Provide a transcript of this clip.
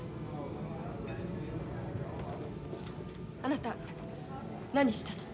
あなた何したの？